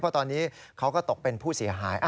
เพราะตอนนี้เขาก็ตกเป็นผู้เสียหาย